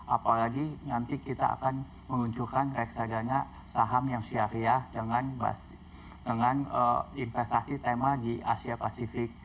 apalagi nanti kita akan menguncurkan reksadanya saham yang syariah dengan investasi tema di asia pasifik